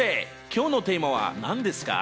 今日のテーマは何ですか？